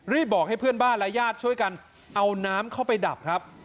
บอกให้เพื่อนบ้านและญาติช่วยกันเอาน้ำเข้าไปดับครับ